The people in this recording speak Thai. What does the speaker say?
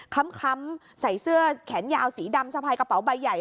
ค้ำใส่เสื้อแขนยาวสีดำสะพายกระเป๋าใบใหญ่